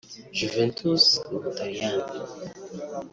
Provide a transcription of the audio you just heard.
Juventus (u Butaliyani)